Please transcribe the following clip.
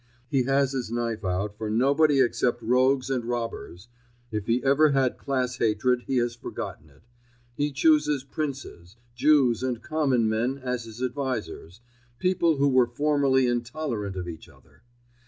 He has his knife out for nobody except rogues and robbers. If he ever had class hatred, he has forgotten it. He chooses princes, Jews and common men as his advisors—people who were formerly intolerant of each other.